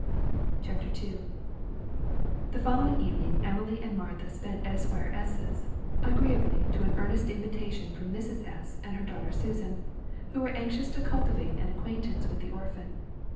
CHAPTER II. The following evening Emily and Martha spent at Esq. S.'s, agreeably to an earnest invitation from Mrs. S. and her daughter Susan, who were anxious to cultivate an acquaintance with the orphan.